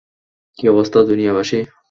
কী অবস্থা, দুনিয়াবাসী?